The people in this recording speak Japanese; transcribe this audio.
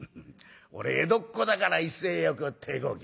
俺江戸っ子だから威勢よく『てえこうき』」。